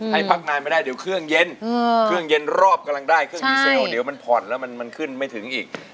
ให้พักงานไม่ได้เดี๋ยวเครื่องเย็นเครื่องเย็นรอบกำลังได้เครื่องดีเซลเดี๋ยวมันผ่อนแล้วมันขึ้นไม่ถึงอีก